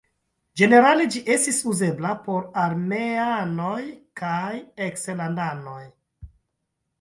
Ĝenerale ĝi estis uzebla por armeanoj kaj eksterlandanoj.